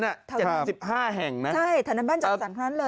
๗๕แห่งนะใช่ถนนบ้านจัดสรรค่อนข้างเลย